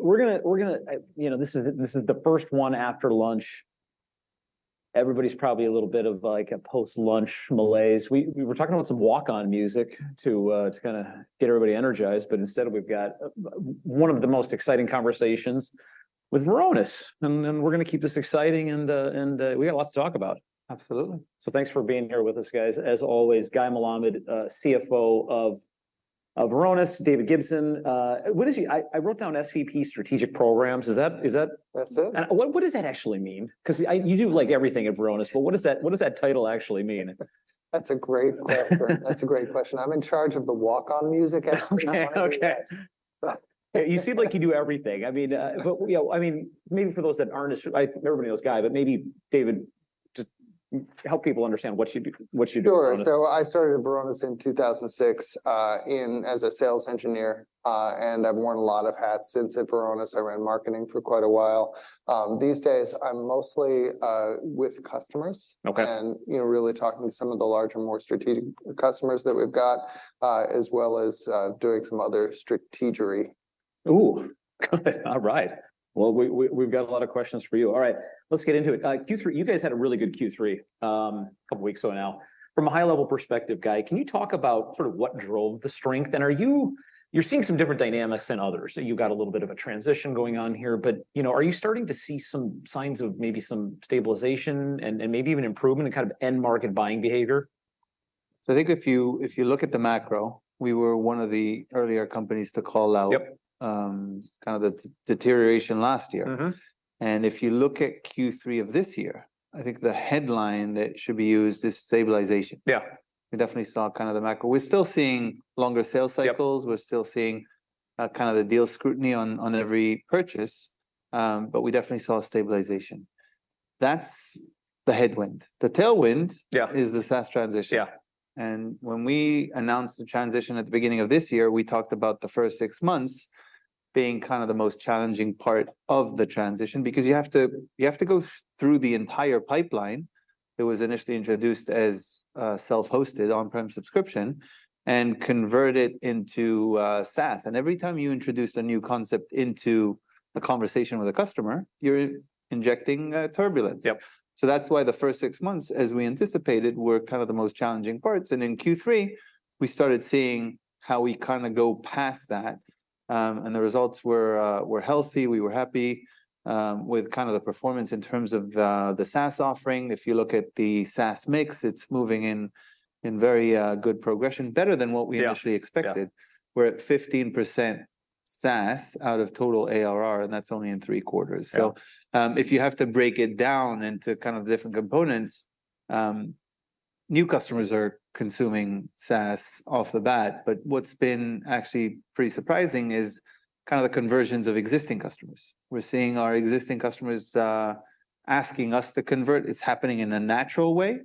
We're gonna, you know, this is the first one after lunch. Everybody's probably a little bit like a post-lunch malaise. We were talking about some walk-on music to kinda get everybody energized, but instead we've got one of the most exciting conversations with Varonis. And we're gonna keep this exciting and we've got a lot to talk about. Absolutely. So thanks for being here with us, guys. As always, Guy Melamed, CFO of Varonis. David Gibson, what is your... I wrote down SVP Strategic Programs. Is that, is that- That's it. What, what does that actually mean? 'Cause I- you do, like, everything at Varonis, but what does that, what does that title actually mean? That's a great question. That's a great question. I'm in charge of the walk-on music every now and then. Okay, okay. But- Yeah, you seem like you do everything. I mean, but, you know, I mean, maybe for those that aren't as... everybody knows Guy, but maybe David, just help people understand what you do, what you do at Varonis. Sure. So I started at Varonis in 2006 in as a sales engineer, and I've worn a lot of hats since at Varonis. I ran marketing for quite a while. These days, I'm mostly with customers- Okay... and, you know, really talking to some of the larger, more strategic customers that we've got, as well as, doing some other strategy. Ooh, good. All right. Well, we've got a lot of questions for you. All right, let's get into it. Q3, you guys had a really good Q3, a couple weeks or so now. From a high-level perspective, Guy, can you talk about sort of what drove the strength? And are you... You're seeing some different dynamics than others, so you've got a little bit of a transition going on here. But, you know, are you starting to see some signs of maybe some stabilization and maybe even improvement in kind of end market buying behavior? I think if you look at the macro, we were one of the earlier companies to call out- Yep ... kind of the deterioration last year. Mm-hmm. If you look at Q3 of this year, I think the headline that should be used is stabilization. Yeah. We definitely saw kind of the macro. We're still seeing longer sales cycles- Yep... we're still seeing, kind of the deal scrutiny on, on every purchase, but we definitely saw a stabilization. That's the headwind. The tailwind- Yeah... is the SaaS transition. Yeah. When we announced the transition at the beginning of this year, we talked about the first six months being kind of the most challenging part of the transition, because you have to, you have to go through the entire pipeline that was initially introduced as self-hosted, on-prem subscription, and convert it into SaaS. Every time you introduce a new concept into a conversation with a customer, you're injecting turbulence. Yep. So that's why the first six months, as we anticipated, were kind of the most challenging parts. And in Q3, we started seeing how we kind of go past that, and the results were healthy. We were happy with kind of the performance in terms of the SaaS offering. If you look at the SaaS mix, it's moving in very good progression, better than what we initially expected. Yeah, yeah. We're at 15% SaaS out of total ARR, and that's only in three quarters. Yeah. So, if you have to break it down into kind of the different components, new customers are consuming SaaS off the bat, but what's been actually pretty surprising is kind of the conversions of existing customers. We're seeing our existing customers, asking us to convert. It's happening in a natural way.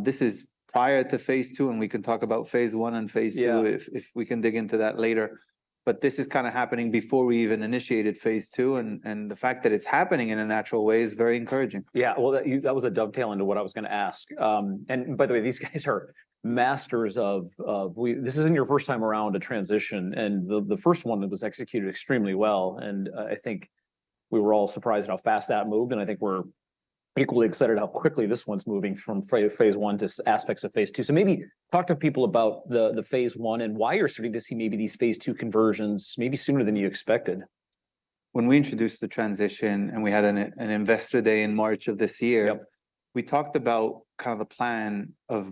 This is prior to phase II, and we can talk about phase I and phase II- Yeah... if we can dig into that later. But this is kind of happening before we even initiated phase II, and the fact that it's happening in a natural way is very encouraging. Yeah. Well, that was a dovetail into what I was gonna ask. And by the way, these guys are masters of this isn't your first time around a transition, and the first one that was executed extremely well, and I think we were all surprised at how fast that moved, and I think we're equally excited how quickly this one's moving from phase I to aspects of phase II. So maybe talk to people about the phase I, and why you're starting to see maybe these phase II conversions maybe sooner than you expected. When we introduced the transition, and we had an Investor Day in March of this year- Yep... we talked about kind of a plan of,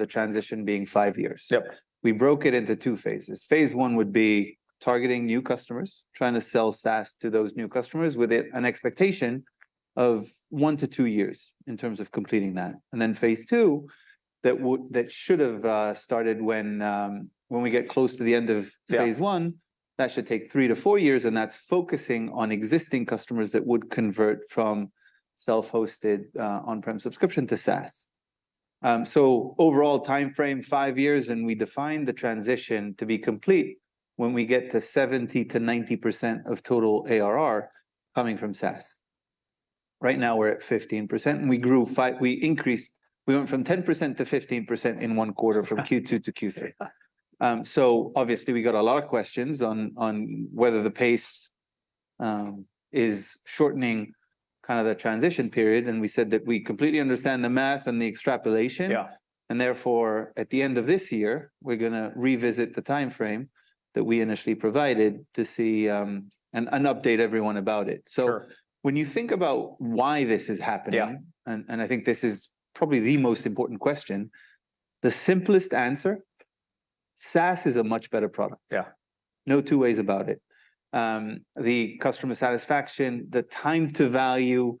the transition being five years. Yep. We broke it into two phases. Phase I would be targeting new customers, trying to sell SaaS to those new customers with an expectation of one to two years in terms of completing that. And then phase II, that should have started when we get close to the end of phase I. Yeah... that should take three to four years, and that's focusing on existing customers that would convert from self-hosted, on-prem subscription to SaaS. So overall timeframe, five years, and we define the transition to be complete when we get to 70%-90% of total ARR coming from SaaS. Right now, we're at 15%, and we went from 10%-15% in one quarter, from Q2 to Q3. So obviously we got a lot of questions on, on whether the pace is shortening kind of the transition period, and we said that we completely understand the math and the extrapolation. Yeah. Therefore, at the end of this year, we're gonna revisit the timeframe that we initially provided to see and update everyone about it. Sure. When you think about why this is happening- Yeah... I think this is probably the most important question, the simplest answer, SaaS is a much better product. Yeah. No two ways about it. The customer satisfaction, the time to value,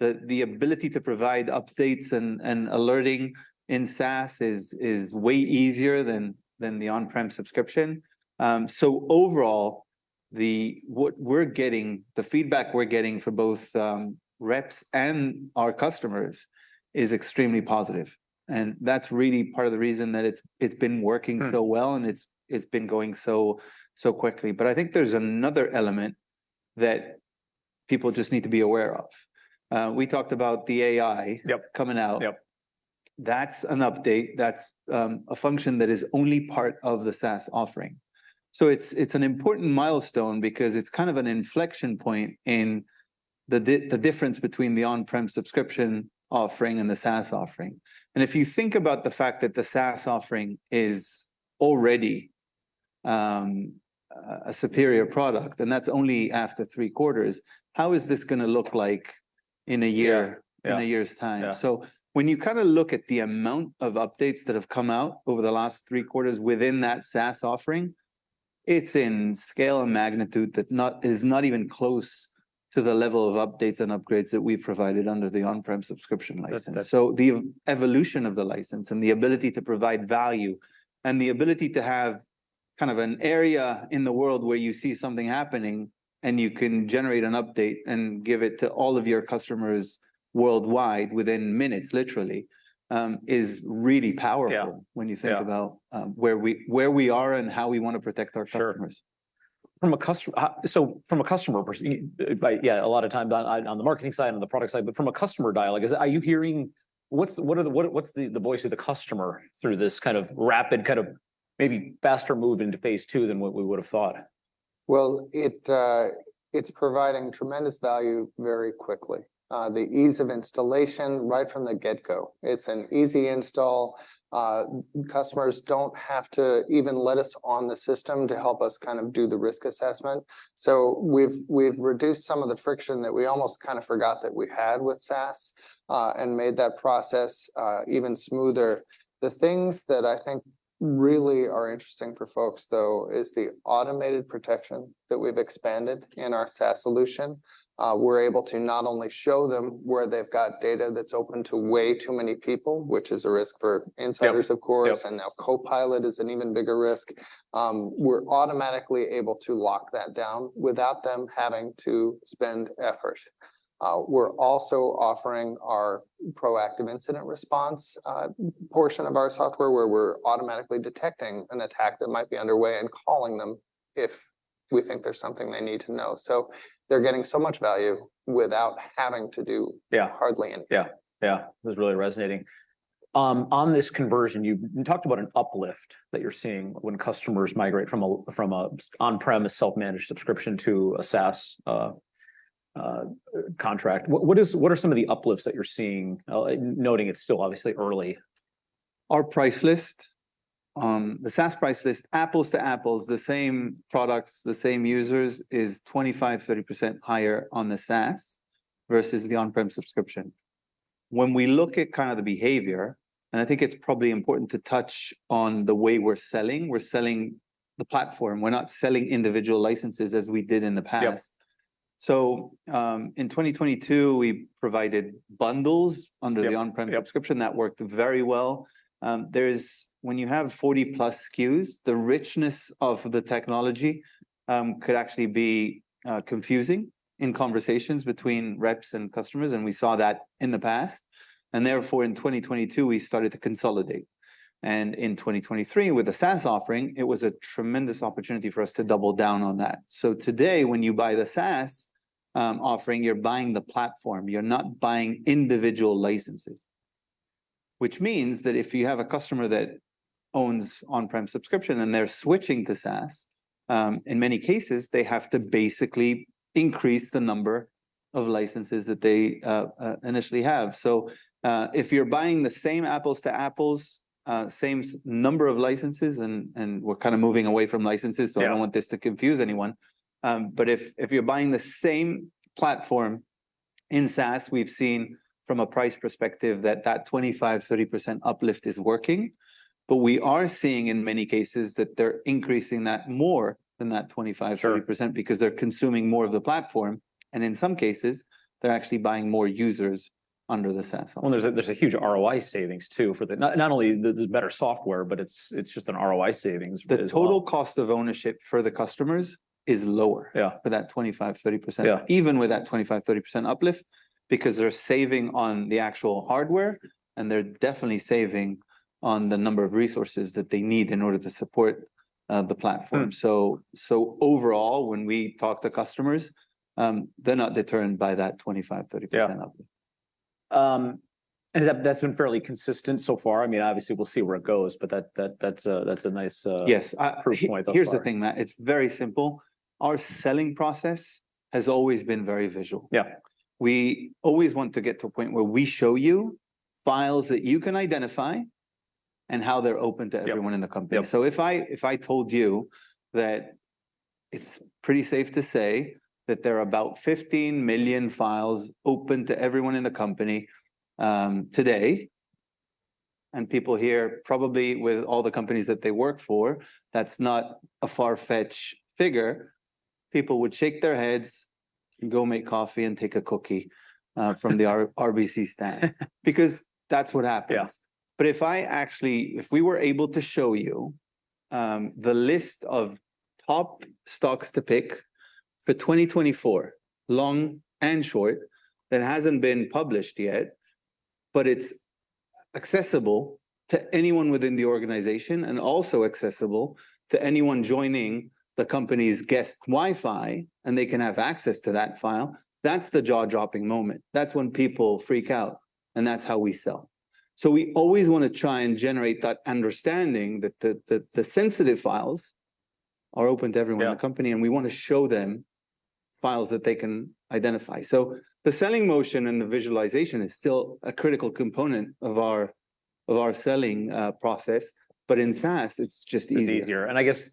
the ability to provide updates and alerting in SaaS is way easier than the on-prem subscription. So overall, what we're getting, the feedback we're getting from both reps and our customers is extremely positive, and that's really part of the reason that it's been working so well. Hmm... and it's, it's been going so, so quickly. But I think there's another element that people just need to be aware of. We talked about the AI- Yep... coming out. That's an update, that's a function that is only part of the SaaS offering. So it's an important milestone because it's kind of an inflection point in the difference between the on-prem subscription offering and the SaaS offering. And if you think about the fact that the SaaS offering is already a superior product, and that's only after three quarters, how is this gonna look like in a year- Yeah. In a year's time? Yeah. When you kind of look at the amount of updates that have come out over the last three quarters within that SaaS offering, it's in scale and magnitude that is not even close to the level of updates and upgrades that we've provided under the on-prem subscription license. That's, that's- So the evolution of the license, and the ability to provide value, and the ability to have kind of an area in the world where you see something happening, and you can generate an update and give it to all of your customers worldwide within minutes, literally, is really powerful. Yeah... when you think- Yeah... about where we, where we are and how we wanna protect our customers. Sure. From a customer perspective, yeah, a lot of times on the marketing side, on the product side, but from a customer dialogue, are you hearing what's the voice of the customer through this kind of rapid, kind of maybe faster move into phase II than what we would've thought? Well, it, it's providing tremendous value very quickly. The ease of installation right from the get-go, it's an easy install. Customers don't have to even let us on the system to help us kind of do the risk assessment, so we've reduced some of the friction that we almost kind of forgot that we had with SaaS, and made that process even smoother. The things that I think really are interesting for folks, though, is the automated protection that we've expanded in our SaaS solution. We're able to not only show them where they've got data that's open to way too many people, which is a risk for insiders, of course- Yep, yep... and now Copilot is an even bigger risk. We're automatically able to lock that down without them having to spend effort. We're also offering our proactive incident response portion of our software, where we're automatically detecting an attack that might be underway and calling them if we think there's something they need to know. So they're getting so much value without having to do- Yeah... hardly anything. Yeah, yeah. That's really resonating. On this conversion, you talked about an uplift that you're seeing when customers migrate from a self- on-premise self-managed subscription to a SaaS contract. What are some of the uplifts that you're seeing? Noting it's still obviously early. Our price list, the SaaS price list, apples to apples, the same products, the same users, is 25%-30% higher on the SaaS versus the on-prem subscription. When we look at kind of the behavior, and I think it's probably important to touch on the way we're selling, we're selling the platform, we're not selling individual licenses as we did in the past. Yep. In 2022, we provided bundles- Yep, yep... under the on-prem subscription. That worked very well. There's, when you have 40+ SKUs, the richness of the technology, could actually be confusing in conversations between reps and customers, and we saw that in the past. Therefore, in 2022, we started to consolidate, and in 2023, with the SaaS offering, it was a tremendous opportunity for us to double down on that. So today, when you buy the SaaS offering, you're buying the platform. You're not buying individual licenses, which means that if you have a customer that owns on-prem subscription and they're switching to SaaS, in many cases, they have to basically increase the number of licenses that they initially have. So, if you're buying the same apples to apples, same number of licenses, and we're kind of moving away from licenses- Yeah... so I don't want this to confuse anyone. But if, if you're buying the same platform in SaaS, we've seen from a price perspective that that 25%-30% uplift is working. But we are seeing, in many cases, that they're increasing that more than that 25%-30%- Sure... because they're consuming more of the platform, and in some cases, they're actually buying more users under the SaaS offering. Well, there's a huge ROI savings, too, for the... Not only there's better software, but it's just an ROI savings as well. The total cost of ownership for the customers is lower- Yeah... for that 25%-30%. Yeah. Even with that 25%-30% uplift, because they're saving on the actual hardware, and they're definitely saving on the number of resources that they need in order to support the platform. Hmm. So, so overall, when we talk to customers, they're not deterred by that 25%-30% uplift. Yeah. And that, that's been fairly consistent so far. I mean, obviously we'll see where it goes, but that's a nice, Yes, I-... proof point thus far... here, here's the thing, Matt, it's very simple. Our selling process has always been very visual. Yeah. We always want to get to a point where we show you files that you can identify, and how they're open to everyone- Yep... in the company. Yep. So if I told you that it's pretty safe to say that there are about 15 million files open to everyone in the company today, and people here, probably with all the companies that they work for, that's not a far-fetched figure, people would shake their heads, and go make coffee, and take a cookie from the RBC stand. Because that's what happens. Yeah. But if I actually, if we were able to show you, the list of top stocks to pick for 2024, long and short, that hasn't been published yet, but it's accessible to anyone within the organization, and also accessible to anyone joining the company's guest Wi-Fi, and they can have access to that file, that's the jaw-dropping moment. That's when people freak out, and that's how we sell. So we always wanna try and generate that understanding that the sensitive files are open to everyone in the company- Yeah. and we wanna show them files that they can identify. So the selling motion and the visualization is still a critical component of our selling process, but in SaaS, it's just easier. It's easier. I guess,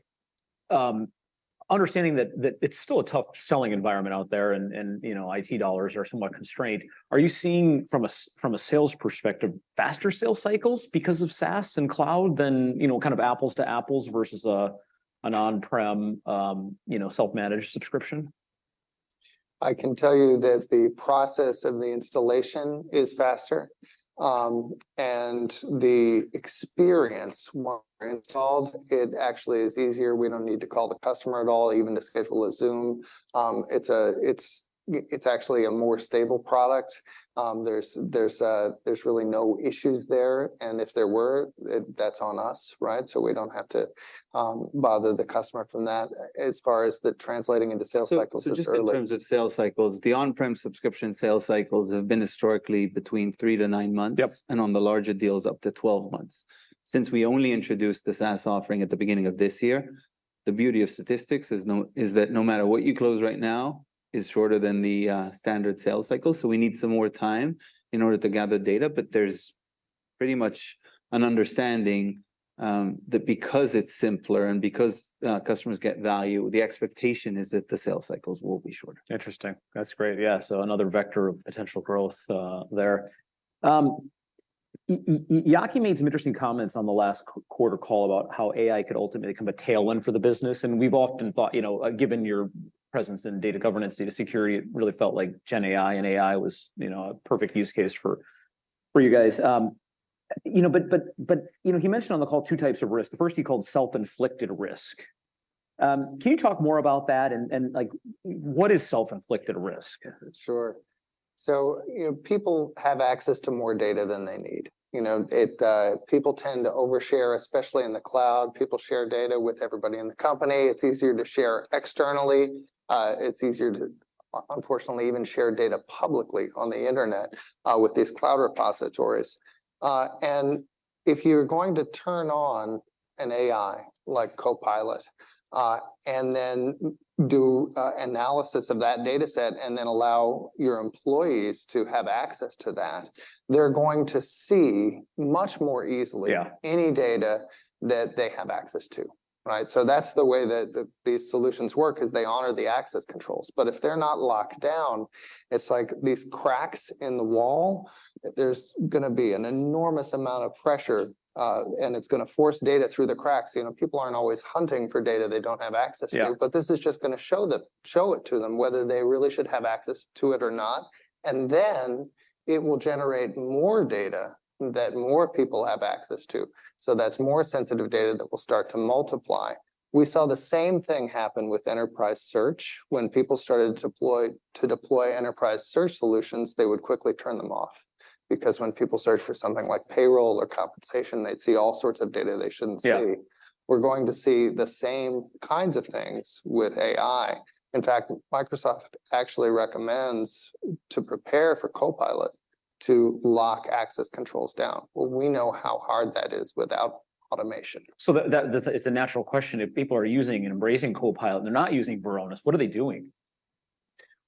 understanding that it's still a tough selling environment out there, and you know, IT dollars are somewhat constrained, are you seeing, from a sales perspective, faster sales cycles because of SaaS and cloud than, you know, kind of apples to apples versus an on-prem, you know, self-managed subscription? I can tell you that the process of the installation is faster. The experience, once installed, it actually is easier. We don't need to call the customer at all, even to schedule a Zoom. It's actually a more stable product. There's really no issues there, and if there were, that's on us, right? We don't have to bother the customer from that. As far as the translating into sales cycles, it's early. Just in terms of sales cycles, the on-prem subscription sales cycles have been historically between three to nine months- Yep. On the larger deals, up to 12 months. Since we only introduced the SaaS offering at the beginning of this year, the beauty of statistics is that no matter what you close right now, it's shorter than the standard sales cycle. So we need some more time in order to gather data, but there's pretty much an understanding that because it's simpler and because customers get value, the expectation is that the sales cycles will be shorter. Interesting. That's great, yeah, so another vector of potential growth there. Yaki made some interesting comments on the last quarter call about how AI could ultimately become a tailwind for the business, and we've often thought, you know, given your presence in data governance, data security, it really felt like gen AI and AI was, you know, a perfect use case for you guys. You know, he mentioned on the call two types of risks. The first he called self-inflicted risk. Can you talk more about that, and like, what is self-inflicted risk? Sure. So, you know, people have access to more data than they need, you know? It, people tend to overshare, especially in the cloud. People share data with everybody in the company. It's easier to share externally. It's easier to, unfortunately, even share data publicly on the internet, with these cloud repositories. And if you're going to turn on an AI, like Copilot, and then do analysis of that data set, and then allow your employees to have access to that, they're going to see much more easily- Yeah... any data that they have access to, right? So that's the way that these solutions work, 'cause they honor the access controls. But if they're not locked down, it's like these cracks in the wall. There's gonna be an enormous amount of pressure, and it's gonna force data through the cracks. You know, people aren't always hunting for data they don't have access to- Yeah... but this is just gonna show them, show it to them, whether they really should have access to it or not, and then it will generate more data that more people have access to. So that's more sensitive data that will start to multiply. We saw the same thing happen with enterprise search. When people started to deploy, to deploy enterprise search solutions, they would quickly turn them off, because when people searched for something like payroll or compensation, they'd see all sorts of data they shouldn't see. Yeah. We're going to see the same kinds of things with AI. In fact, Microsoft actually recommends, to prepare for Copilot, to lock access controls down. Well, we know how hard that is without automation. So, it's a natural question. If people are using and embracing Copilot, and they're not using Varonis, what are they doing?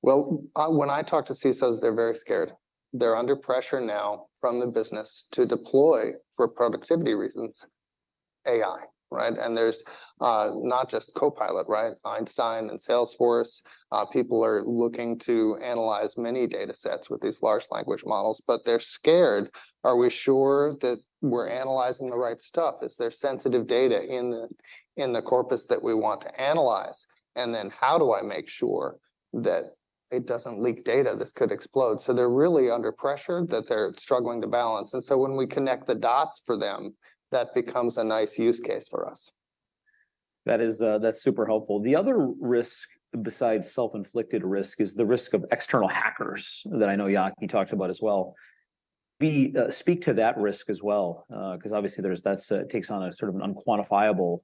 Well, when I talk to CISOs, they're very scared. They're under pressure now from the business to deploy, for productivity reasons, AI, right? And there's, not just Copilot, right? Einstein and Salesforce. People are looking to analyze many data sets with these large language models, but they're scared. Are we sure that we're analyzing the right stuff? Is there sensitive data in the corpus that we want to analyze? And then how do I make sure that it doesn't leak data? This could explode. So they're really under pressure, that they're struggling to balance, and so when we connect the dots for them, that becomes a nice use case for us. That is, that's super helpful. The other risk, besides self-inflicted risk, is the risk of external hackers, that I know Yaki talked about as well. We speak to that risk as well, 'cause obviously there's, that's, takes on a sort of an unquantifiable,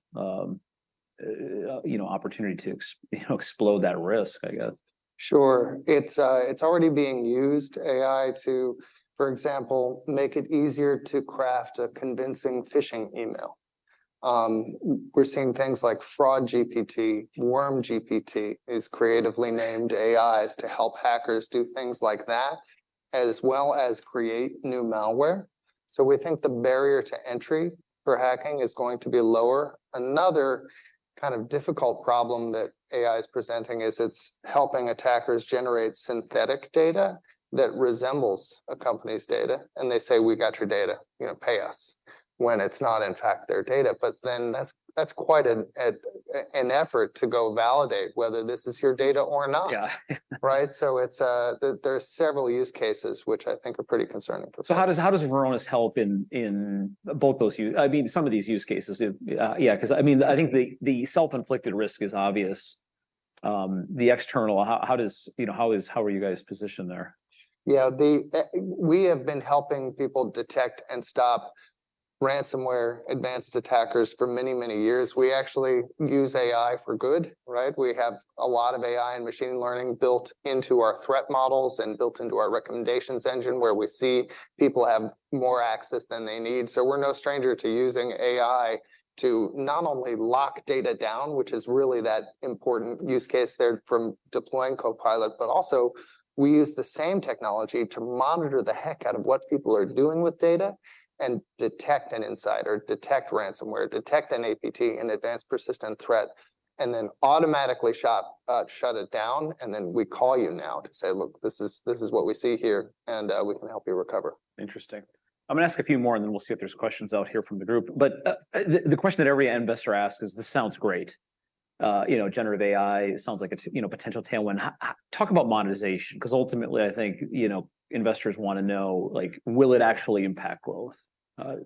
you know, opportunity to you know, explode that risk, I guess. Sure. It's already being used, AI, to, for example, make it easier to craft a convincing phishing email. We're seeing things like FraudGPT, WormGPT, these creatively named AIs to help hackers do things like that, as well as create new malware. So we think the barrier to entry for hacking is going to be lower. Another kind of difficult problem that AI is presenting is it's helping attackers generate synthetic data that resembles a company's data, and they say, "We got your data," you know, "Pay us," when it's not, in fact, their data. But then that's quite an effort to go validate whether this is your data or not. Yeah. Right? So it's, there's several use cases, which I think are pretty concerning for customers. So how does Varonis help in both those—I mean, some of these use cases? It, yeah, 'cause I mean, I think the self-inflicted risk is obvious. The external, how does... You know, how are you guys positioned there? Yeah, we have been helping people detect and stop ransomware, advanced attackers for many, many years. We actually use AI for good, right? We have a lot of AI and machine learning built into our threat models and built into our recommendations engine, where we see people have more access than they need. So we're no stranger to using AI to not only lock data down, which is really that important use case there from deploying Copilot, but also we use the same technology to monitor the heck out of what people are doing with data and detect an insider, detect ransomware, detect an APT, an advanced persistent threat, and then automatically shut it down. And then we call you now to say, "Look, this is what we see here, and we can help you recover. Interesting. I'm gonna ask a few more, and then we'll see if there's questions out here from the group. But the question that every investor asks is, "This sounds great." You know, generative AI sounds like it's, you know, a potential tailwind. Talk about monetization, 'cause ultimately I think, you know, investors wanna know, like, will it actually impact growth?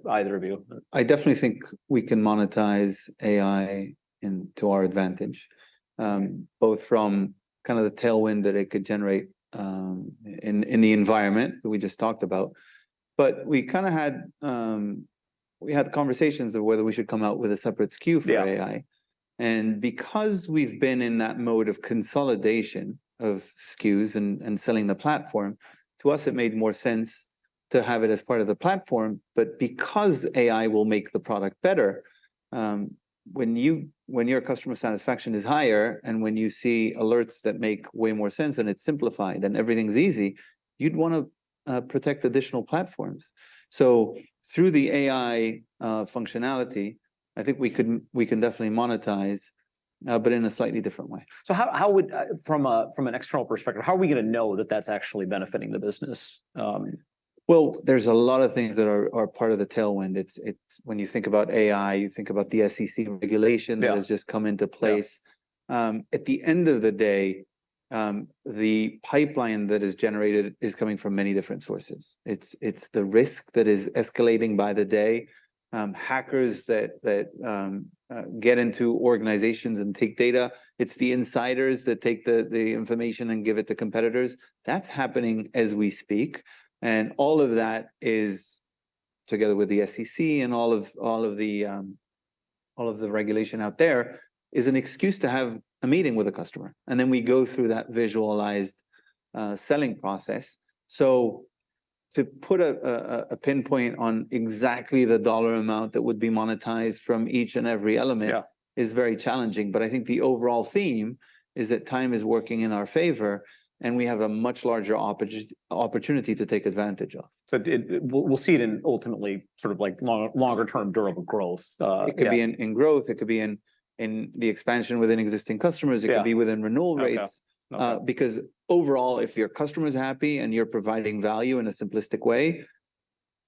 Either of you. I definitely think we can monetize AI into our advantage, both from kind of the tailwind that it could generate, in the environment that we just talked about. But we had conversations of whether we should come out with a separate SKU for AI. Yeah. And because we've been in that mode of consolidation of SKUs and selling the platform, to us it made more sense to have it as part of the platform. But because AI will make the product better, when your customer satisfaction is higher, and when you see alerts that make way more sense and it's simplified and everything's easy, you'd wanna protect additional platforms. So through the AI functionality, I think we can definitely monetize, but in a slightly different way. So how, how would... From an external perspective, how are we gonna know that that's actually benefiting the business? Well, there's a lot of things that are part of the tailwind. It's when you think about AI, you think about the SEC regulation- Yeah... that has just come into place. Yeah. At the end of the day, the pipeline that is generated is coming from many different sources. It's the risk that is escalating by the day, hackers that get into organizations and take data. It's the insiders that take the information and give it to competitors. That's happening as we speak, and all of that is, together with the SEC and all of the regulation out there, is an excuse to have a meeting with a customer, and then we go through that visualized selling process. So to put a pinpoint on exactly the dollar amount that would be monetized from each and every element- Yeah... is very challenging. But I think the overall theme is that time is working in our favor, and we have a much larger opportunity to take advantage of. So, we'll see it in, ultimately, sort of like longer-term durable growth, yeah. It could be in growth. It could be in the expansion within existing customers. Yeah. It could be within renewal rates. Okay. Okay. Because overall, if your customer's happy and you're providing value in a simplistic way,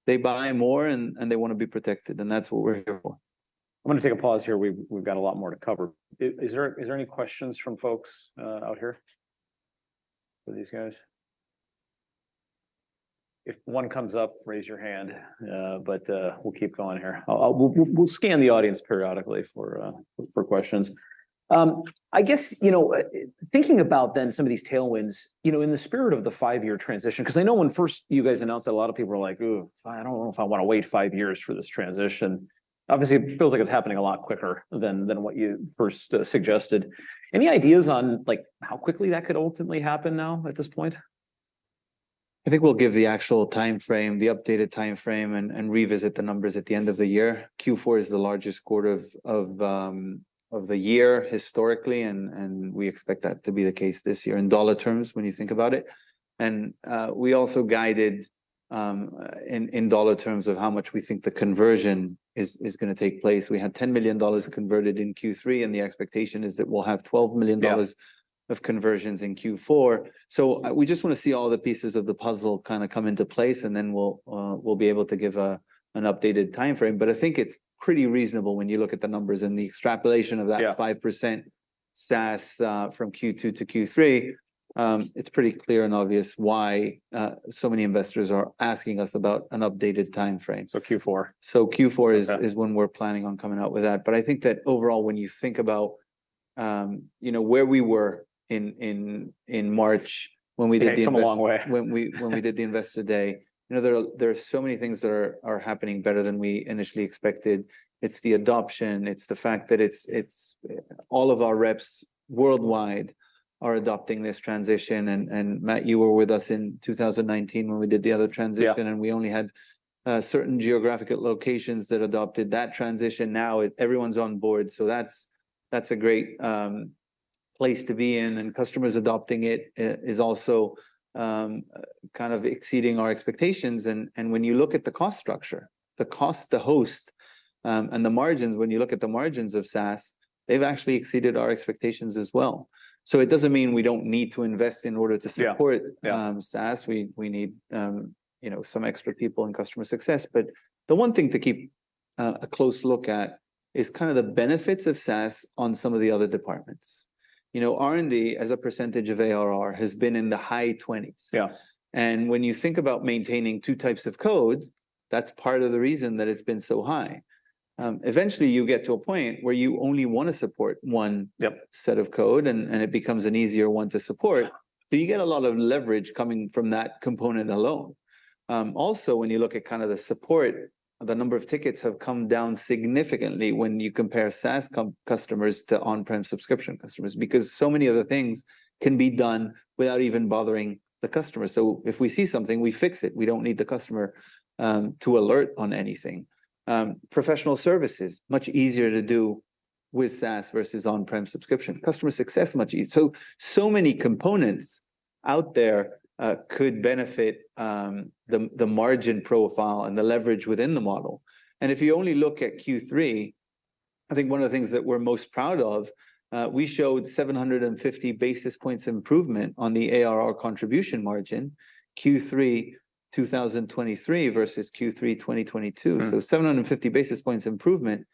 they buy more and, and they wanna be protected, and that's what we're here for. I'm gonna take a pause here. We've got a lot more to cover. Is there any questions from folks out here for these guys? If one comes up, raise your hand, but we'll keep going here. We'll scan the audience periodically for questions. I guess, you know, thinking about then some of these tailwinds, you know, in the spirit of the five-year transition, 'cause I know when first you guys announced that, a lot of people were like, "Ooh, I don't know if I wanna wait five years for this transition." Obviously, it feels like it's happening a lot quicker than what you first suggested. Any ideas on, like, how quickly that could ultimately happen now at this point? I think we'll give the actual timeframe, the updated timeframe, and revisit the numbers at the end of the year. Q4 is the largest quarter of the year historically, and we expect that to be the case this year, in dollar terms when you think about it. We also guided in dollar terms of how much we think the conversion is gonna take place. We had $10 million converted in Q3, and the expectation is that we'll have $12 million- Yeah... of conversions in Q4. So we just wanna see all the pieces of the puzzle kinda come into place, and then we'll, we'll be able to give an updated timeframe. But I think it's pretty reasonable when you look at the numbers and the extrapolation of that- Yeah... 5% SaaS from Q2 to Q3. It's pretty clear and obvious why so many investors are asking us about an updated timeframe. So Q4? So Q4- Okay... is when we're planning on coming out with that. But I think that overall when you think about, you know, where we were in March, when we did the Investor- You've come a long way. ...when we did the Investor Day, you know, there are so many things that are happening better than we initially expected. It's the adoption, it's the fact that it's... All of our reps worldwide are adopting this transition. And Matt, you were with us in 2019 when we did the other transition. Yeah... and we only had certain geographical locations that adopted that transition. Now, everyone's on board, so that's a great place to be in. And customers adopting it is also kind of exceeding our expectations. And when you look at the cost structure, the cost to host and the margins, when you look at the margins of SaaS, they've actually exceeded our expectations as well. So it doesn't mean we don't need to invest in order to support- Yeah, yeah... SaaS. We need, you know, some extra people in customer success. But the one thing to keep a close look at is kind of the benefits of SaaS on some of the other departments. You know, R&D as a percentage of ARR has been in the high 20s%. Yeah. And when you think about maintaining two types of code, that's part of the reason that it's been so high.... Eventually you get to a point where you only wanna support one- Yep set of code, and it becomes an easier one to support. Yeah. But you get a lot of leverage coming from that component alone. Also, when you look at kinda the support, the number of tickets have come down significantly when you compare SaaS customers to on-prem subscription customers, because so many of the things can be done without even bothering the customer. So if we see something, we fix it. We don't need the customer to alert on anything. Professional services, much easier to do with SaaS versus on-prem subscription. Customer success, much easier, so many components out there could benefit the margin profile and the leverage within the model. And if you only look at Q3, I think one of the things that we're most proud of, we showed 750 basis points improvement on the ARR contribution margin, Q3 2023 versus Q3 2022. Mm. 750 basis points improvement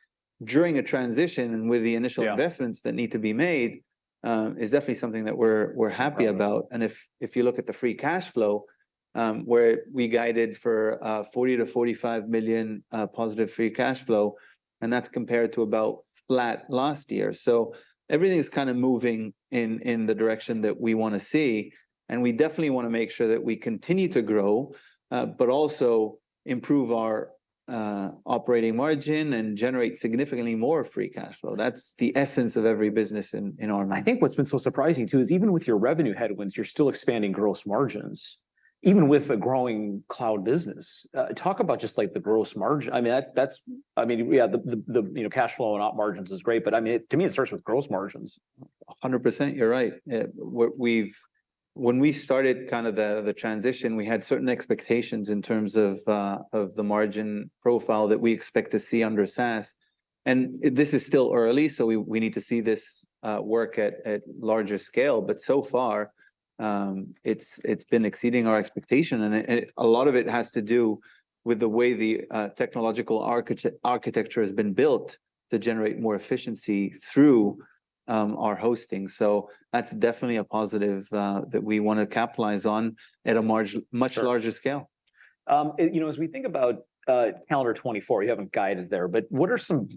during a transition and with the initial- Yeah... investments that need to be made is definitely something that we're happy about. Right. And if you look at the free cash flow, where we guided for $40 million-$45 million positive free cash flow, and that's compared to about flat last year. So everything's kinda moving in the direction that we wanna see, and we definitely wanna make sure that we continue to grow, but also improve our operating margin and generate significantly more free cash flow. That's the essence of every business in our mind. I think what's been so surprising, too, is even with your revenue headwinds, you're still expanding gross margins, even with a growing cloud business. Talk about just, like, the gross margin. I mean, that, that's... I mean, yeah, you know, cash flow and op margins is great, but, I mean, to me, it starts with gross margins. 100%, you're right. When we started kinda the transition, we had certain expectations in terms of the margin profile that we expect to see under SaaS. This is still early, so we need to see this work at larger scale, but so far, it's been exceeding our expectation. And a lot of it has to do with the way the technological architecture has been built to generate more efficiency through our hosting. So that's definitely a positive that we wanna capitalize on at a margin- Sure... much larger scale. You know, as we think about calendar 2024, you haven't guided there, but what are some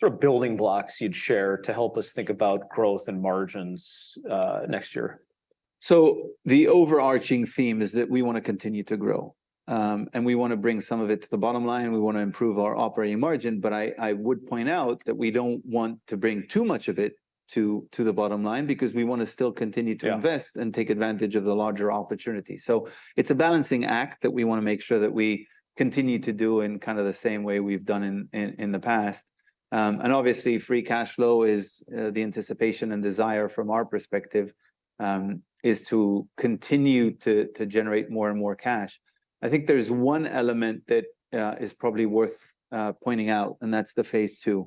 sort of building blocks you'd share to help us think about growth and margins next year? So the overarching theme is that we wanna continue to grow. And we wanna bring some of it to the bottom line, and we wanna improve our operating margin, but I would point out that we don't want to bring too much of it to the bottom line, because we wanna still continue to invest- Yeah... and take advantage of the larger opportunity. So it's a balancing act that we wanna make sure that we continue to do in kinda the same way we've done in the past. And obviously, free cash flow is the anticipation and desire from our perspective is to continue to generate more and more cash. I think there's one element that is probably worth pointing out, and that's the phase II.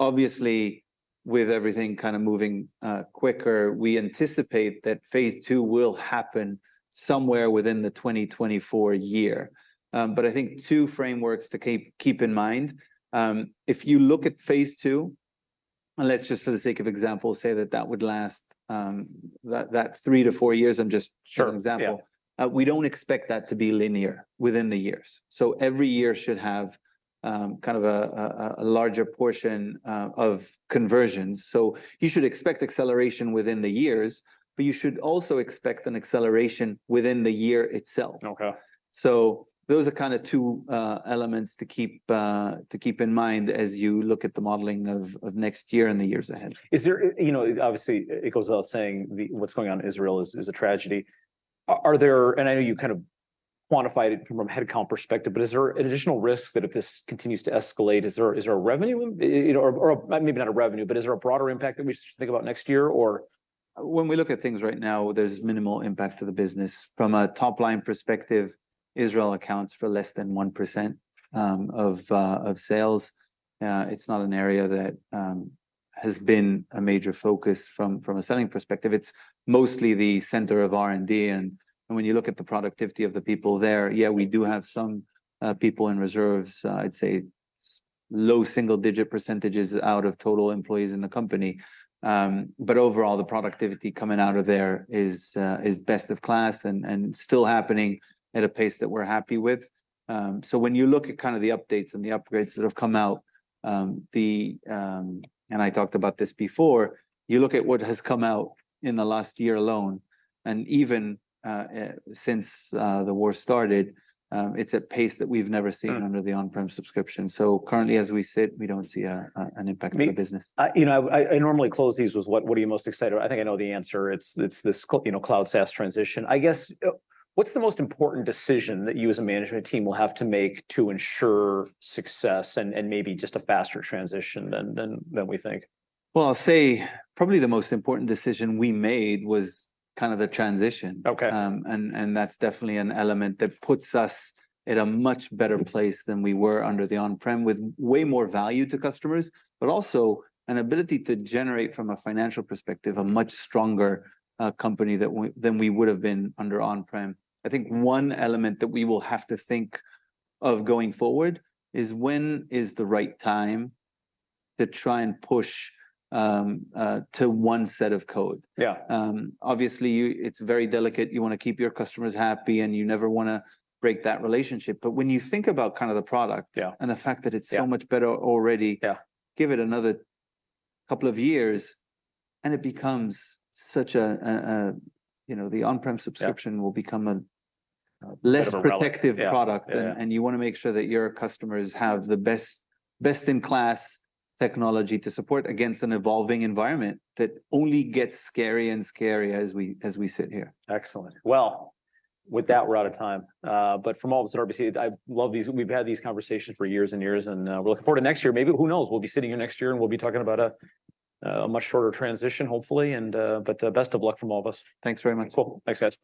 Obviously, with everything kinda moving quicker, we anticipate that phase II will happen somewhere within the 2024 year. But I think two frameworks to keep in mind, if you look at phase II, and let's just for the sake of example, say that that would last, that three to four years. I'm just- Sure... an example. Yeah. We don't expect that to be linear within the years, so every year should have kind of a larger portion of conversions. So you should expect acceleration within the years, but you should also expect an acceleration within the year itself. Okay. Those are kinda two elements to keep in mind as you look at the modeling of next year and the years ahead. Is there... You know, obviously, it goes without saying, the, what's going on in Israel is a tragedy. Are there... And I know you kind of quantified it from a head count perspective, but is there an additional risk that if this continues to escalate, is there a revenue, you know, or, or maybe not a revenue, but is there a broader impact that we should think about next year, or? When we look at things right now, there's minimal impact to the business. From a top-line perspective, Israel accounts for less than 1% of sales. It's not an area that has been a major focus from a selling perspective. It's mostly the center of R&D, and when you look at the productivity of the people there, yeah, we do have some people in reserves. I'd say low single-digit percentage is out of total employees in the company. But overall, the productivity coming out of there is best-of-class and still happening at a pace that we're happy with. So when you look at kinda the updates and the upgrades that have come out, and I talked about this before, you look at what has come out in the last year alone, and even since the war started, it's a pace that we've never seen- Mm... under the on-prem subscription. So currently, as we sit, we don't see an impact to the business. Me, I, you know, I normally close these with what are you most excited about? I think I know the answer. It's the, you know, cloud SaaS transition. I guess, what's the most important decision that you as a management team will have to make to ensure success and maybe just a faster transition than we think? Well, I'll say probably the most important decision we made was kind of the transition. Okay. And that's definitely an element that puts us at a much better place than we were under the on-prem, with way more value to customers, but also an ability to generate, from a financial perspective, a much stronger company than we would've been under on-prem. I think one element that we will have to think of going forward is when the right time to try and push to one set of code? Yeah. Obviously, you... It's very delicate. You wanna keep your customers happy, and you never wanna break that relationship. But when you think about kinda the product- Yeah... and the fact that it's- Yeah... so much better already- Yeah... give it another couple of years, and it becomes such a you know, the on-prem subscription- Yeah... will become a less- Bit of a relic.... protective product. Yeah. Yeah. You wanna make sure that your customers have the best, best-in-class technology to support against an evolving environment that only gets scary and scarier as we sit here. Excellent. Well, with that, we're out of time. But from all of us at RBC, I love these—we've had these conversations for years and years, and we're looking forward to next year. Maybe, who knows, we'll be sitting here next year, and we'll be talking about a much shorter transition, hopefully, and but best of luck from all of us. Thanks very much. Cool. Thanks, guys.